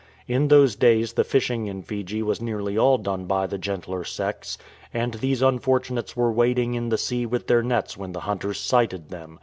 In those days the fishing in Fiji was nearly all done by the gentler sex, and these unfortunates were wading in the sea with their nets when the hunters sighted them.